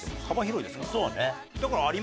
幅広いですから。